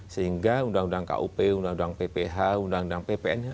sehingga undang undang kup undang undang pph undang undang ppn nya